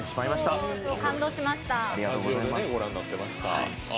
そう、感動しました。